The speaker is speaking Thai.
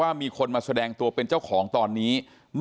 อันนี้แม่งอียางเนี่ย